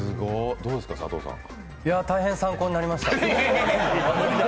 大変参考になりました。